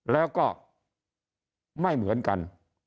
แล้วก็ไม่เหมือนกัน